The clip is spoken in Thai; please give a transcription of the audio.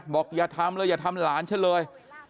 อย่าทำเลยอย่าทำหลานฉันเลย